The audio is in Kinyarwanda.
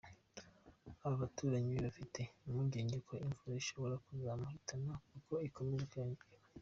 Aba baturanyi be bafite impungenge ko imvura ishobora kuzamuhitana, kuko ikomeje kwiyongera.